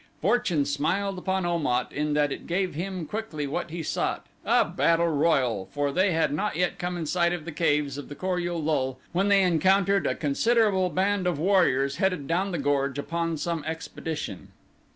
Fortune smiled upon Om at in that it gave him quickly what he sought a battle royal, for they had not yet come in sight of the caves of the Kor ul lul when they encountered a considerable band of warriors headed down the gorge upon some expedition.